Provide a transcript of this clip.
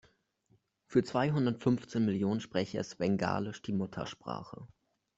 Für zweihundertfünfzehn Millionen Sprecher ist Bengalisch die Muttersprache.